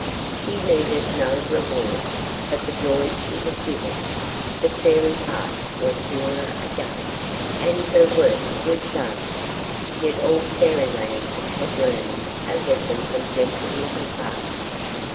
She needed no reward but the joy she had given. The Fairy hearts were pure again, and her work was done; yet all Fairy Land had learned a lesson from gentle little Bud.